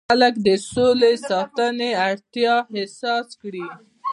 خلک د سولې ساتنې اړتیا احساس کړي.